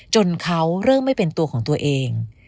จนเขาเริ่มไม่เป็นตัวของตัวเอง